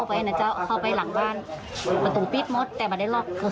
เลือดออกจมูกเลือดออกตา